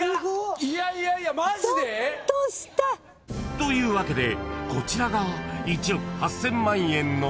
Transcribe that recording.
［というわけでこちらが］